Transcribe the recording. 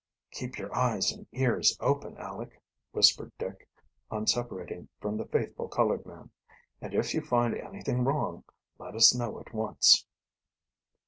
"Keep your eyes and ears open, Aleck," whispered Dick, on separating from the faithful colored man. "And if you find anything wrong let us know at once."